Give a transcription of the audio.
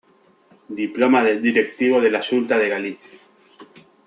Diploma de directivo de la Xunta de Galicia.